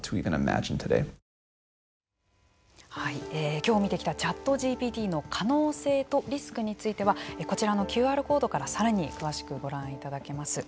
きょう見てきたＣｈａｔＧＰＴの可能性とリスクについてはこちらのＱＲコードからさらに詳しくご覧いただけます。